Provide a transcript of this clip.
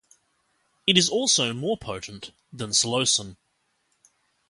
It is also more potent than psilocin.